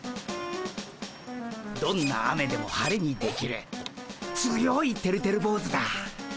どんな雨でも晴れにできる強いてるてる坊主だ。